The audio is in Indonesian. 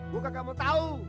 gue gak mau tau